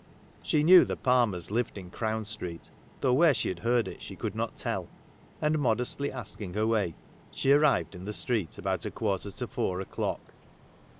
She knew the Palmers lived m Crown Street, though where she had heard it she could not tell ; and modestly asking her way, she arrived in the street about a quarter to four o'clock.